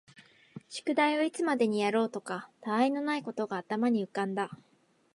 宿題をいつまでにやろうかとか、他愛のないことが頭に浮んだ